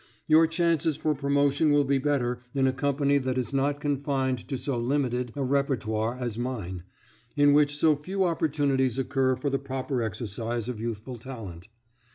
Your chances for promotion will be better in a company that is not confined to so limited a repertoire as mine, in which so few opportunities occur for the proper exercise of youthful talent.